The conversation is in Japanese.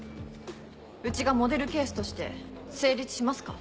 うちがモデルケースとして成立しますか？